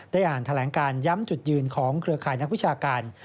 อ่านแถลงการย้ำจุดยืนของเครือข่ายนักวิชาการ